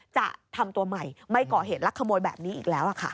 จะทำตัวใหม่ไม่ก่อเหตุลักขโมยแบบนี้อีกแล้วค่ะ